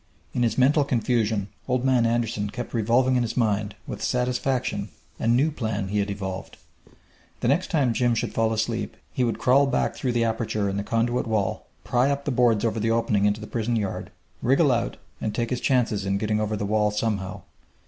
In his mental confusion Old Man Anderson kept revolving in his mind, with satisfaction, a new plan he had evolved. The next time Jim should fall asleep he would crawl back through the aperture in the conduit wall, pry up the boards over the opening into the prison yard, wriggle out, and take his chances in getting over the wall somehow!